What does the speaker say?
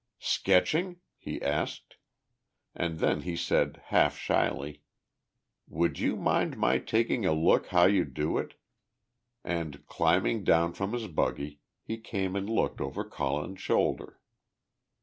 "Sketching?" he asked, and then he said, half shyly, "Would you mind my taking a look how you do it?" and, climbing down from his buggy, he came and looked over Colin's shoulder.